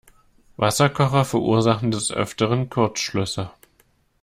Wasserkocher verursachen des Öfteren Kurzschlüsse.